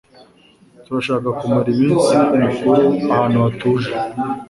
Turashaka kumara iminsi mikuru ahantu hatuje.